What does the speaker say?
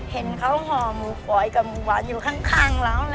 เห็นเขาห่อหมูฟอยกับหมูหวานอยู่ข้างแล้วน่ะ